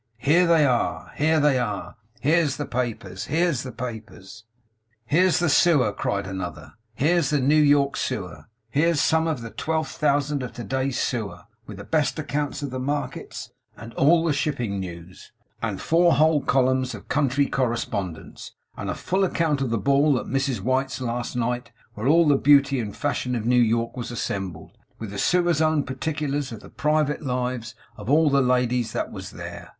Here they are! Here they are! Here's the papers, here's the papers!' 'Here's the Sewer!' cried another. 'Here's the New York Sewer! Here's some of the twelfth thousand of to day's Sewer, with the best accounts of the markets, and all the shipping news, and four whole columns of country correspondence, and a full account of the Ball at Mrs White's last night, where all the beauty and fashion of New York was assembled; with the Sewer's own particulars of the private lives of all the ladies that was there!